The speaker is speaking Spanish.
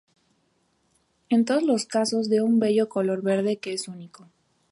En todos los casos de un bello color verde que es único.